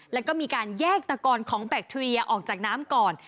แล้วก็มีการแยกตะกอนของแบคทีเรียออกจากน้ำก่อน